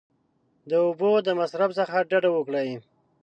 د اوبو د مصرف څخه ډډه وکړئ !